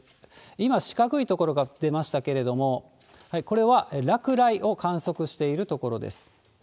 今、四角い所が出ましたけれども、これは落雷を観測している所です。